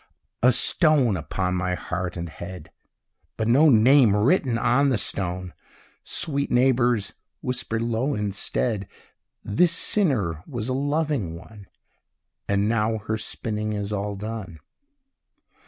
A stone upon my heart and head, But no name written on the stone! Sweet neighbours, whisper low instead, "This sinner was a loving one, And now her spinning is all done."